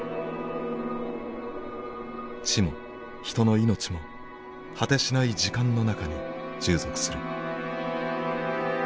知も人の命も果てしない時間の中に従属する。